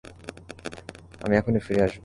আমি এখনি ফিরে আসব।